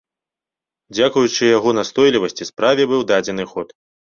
Дзякуючы яго настойлівасці справе быў дадзены ход.